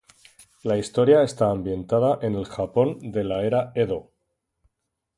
La historia está ambientada en el Japón de la era Edo.